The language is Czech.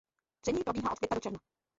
Tření probíhá od května do června.